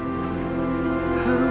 aku akan mencari kamu